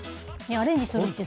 アレンジするって。